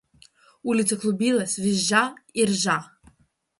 Улица клубилась, визжа и ржа.